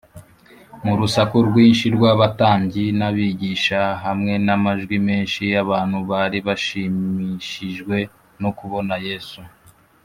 mu rusaku rwinshi rw’abatambyi n’abigisha, hamwe n’amajwi menshi y’abantu bari bashimishijwe no kubona yesu